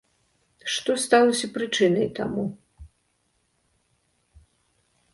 Што сталася прычынай таму?